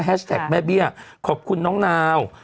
แฮชแท็กแม่เบี้ยขอบคุณน้องนาว